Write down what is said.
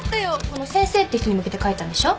この先生って人に向けて書いたんでしょ？